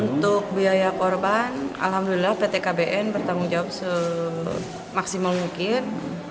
untuk biaya korban alhamdulillah pt kbn bertanggung jawab semaksimal mungkin